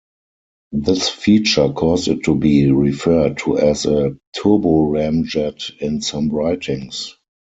This feature caused it to be referred to as a turboramjet in some writings.